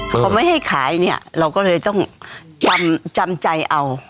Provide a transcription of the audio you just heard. เพราะไม่ให้ขายเราก็เลยต้องจำใจเอา